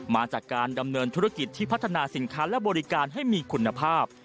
มาจากการดำเนินธุรกิจที่พัฒนาสินค้าและบริการให้มีคุณภาพ